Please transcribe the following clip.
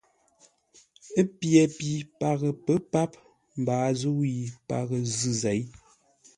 Ə́ pye pi paghʼə pə̌ páp, mbaa zə̂u yi paghʼə zʉ̂ zěi.